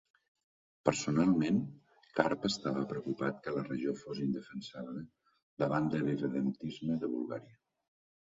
Personalment, Carp estava preocupat que la regió fos indefensable davant de l'irredemptisme de Bulgària.